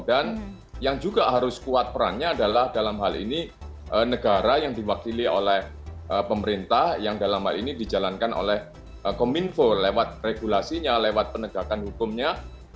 dan yang juga harus kuat perannya adalah dalam hal ini negara yang diwakili oleh pemerintah yang dalam hal ini dijalankan oleh kominfo lewat regulasinya lewat penegakan hukumnya